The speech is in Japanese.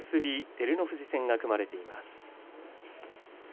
照ノ富士戦が組まれています。